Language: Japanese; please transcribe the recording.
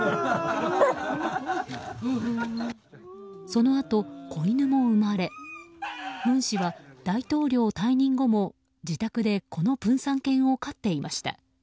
そのあと、子犬も生まれ文氏は大統領退任後も自宅で、このプンサン犬を飼っていました。